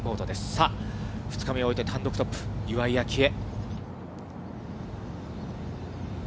さあ、２日目を終えて単独トップ、岩井明愛。